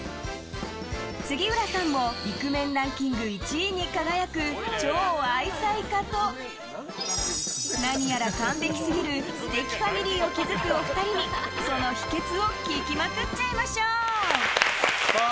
杉浦さんもイクメンランキング１位に輝く超愛妻家と何やら完璧すぎる素敵ファミリーを築くお二人にその秘訣を聞きまくっちゃいましょう！